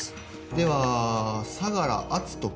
では相良篤斗君。